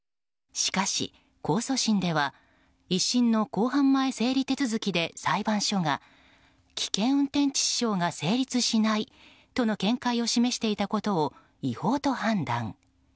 しかし、控訴審では１審の公判前整理手続きで裁判所が、危険運転致死傷が成立しないとの見解を示していたことを違法と判断。